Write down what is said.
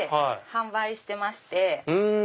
販売してまして。